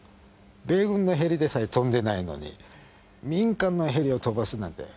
米軍のヘリでさえ飛んでないのに民間のヘリを飛ばすなんて。